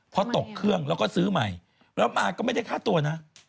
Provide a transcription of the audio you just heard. พอตกเครื่องแล้วก็ซื้อใหม่แล้วมาก็ไม่ได้ค่าตัวนะ